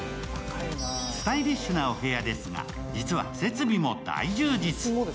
スタイリッシュなお部屋ですが、実は設備も大充実。